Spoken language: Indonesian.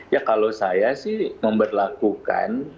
ya kalau saya sih memperlakukan